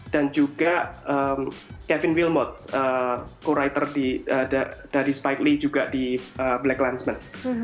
dan juga kevin wilmot co writer dari spike lee juga di black landsman